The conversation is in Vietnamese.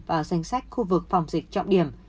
vào danh sách khu vực phòng dịch trọng điểm